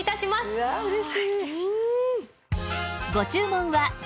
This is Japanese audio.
うわあ嬉しい。